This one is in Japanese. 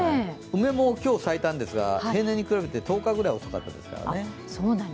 梅も今日咲いたんですが平年に比べて１０日ぐらい遅かったですからね。